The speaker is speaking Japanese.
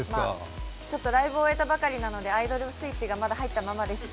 ライブを終えたばかりなのでアイドルスイッチがまだ入ったままです。